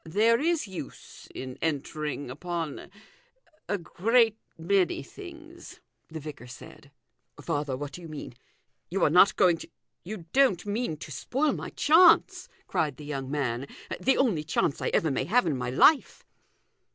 " There is use in entering upon a great many things," the vicar said. " Father, what do you mean ? You are not going to you don't mean to spoil my chance I" cried the young man, " the only chance I ever rnay have in my life